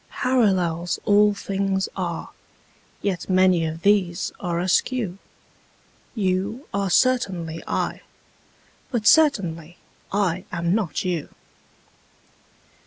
Parallels all things are: yet many of these are askew: You are certainly I: but certainly I am not you.